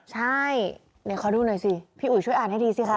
ใช่เดี๋ยวขอดูหน่อยสิพี่อุ๋ยช่วยอ่านให้ดีสิคะ